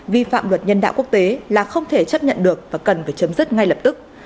vi phạm luật nhân đạo quốc tế là không thể chấp nhận được và cần phải chấm dứt ngay lập tức